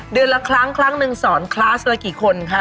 เดือนละครั้งครั้งหนึ่งสอนคลาสละกี่คนคะ